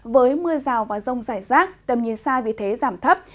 với mưa rào và rông rải rác tầm nhìn xa vì thế giảm thấp